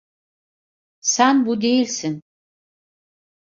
Sen bu değilsin.